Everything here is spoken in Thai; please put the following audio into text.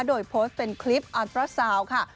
โดยโพสต์เป็นคลิปอันประเสาค่ะ